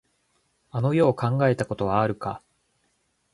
あの世を考えたことはあるか。